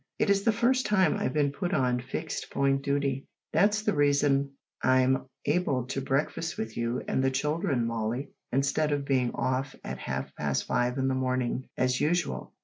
"It is the first time I've been put on fixed point duty. That's the reason I'm able to breakfast with you and the children, Molly, instead of being off at half past five in the morning as usual.